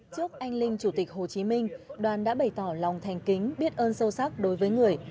trước anh linh chủ tịch hồ chí minh đoàn đã bày tỏ lòng thành kính biết ơn sâu sắc đối với người